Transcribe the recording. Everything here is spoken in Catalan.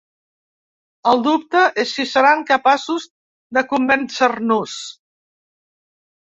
El dubte és si seran capaços de convèncer-nos.